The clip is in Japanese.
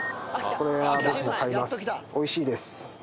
おいしいです。